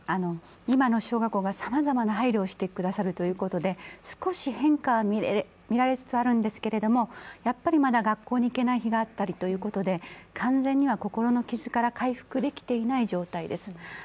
今の小学校がさまざまな配慮をしてくださるということで少し変化は見られつつあるんですけれども、やっぱりまだ学校に行けない日があったりということで、完全には心の傷から回復できていない状態です。